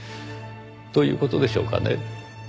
という事でしょうかね？